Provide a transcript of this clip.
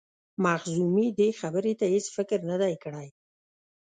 مخزومي دې خبرې ته هیڅ فکر نه دی کړی.